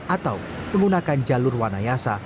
atau menggunakan jalur wanayasa